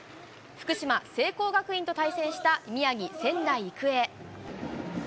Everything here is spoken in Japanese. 福島・聖光学院と対戦した宮城・仙台育英。